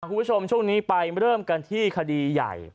คุณผู้ชมช่วงนี้ไปเริ่มกันที่คดีใหญ่